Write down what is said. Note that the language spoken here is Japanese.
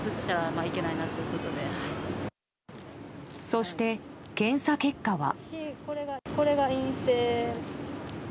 そして、検査結果は。